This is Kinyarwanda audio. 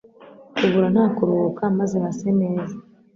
Kubura nta kuruhuka maze hase neza